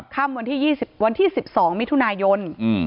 ค่ำวันที่๑๒มิถุนายน